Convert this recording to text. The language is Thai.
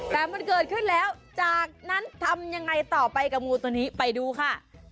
แต่มันเกิดขึ้นแล้วจากนั้นทำยังไงต่อไปกับงูตัวนี้ไปดูค่ะ